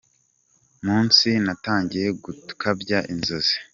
munsi Natangiye gukabya inzozi.